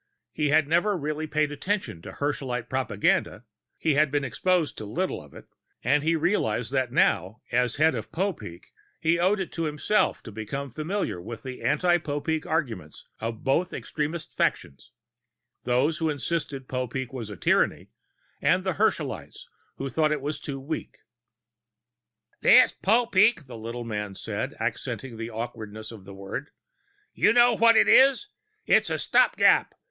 He had never really paid much attention to Herschelite propaganda he had been exposed to little of it and he realized that now, as head of Popeek, he owed it to himself to become familiar with the anti Popeek arguments of both extremist factions those who insisted Popeek was a tyranny, and the Herschelites, who thought it was too weak. "This Popeek," the little man said, accenting the awkwardness of the word. "You know what it is? It's a stopgap.